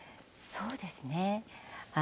そうですね。